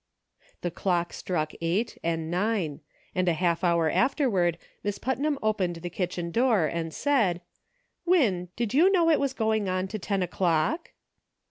The clock struck eight and nine, and a half hour afterward Miss Putnam opened the kitchen door and said :" Win, did you know it was going on to ten o'clock